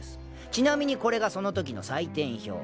ちなみにこれがそのときの採点表。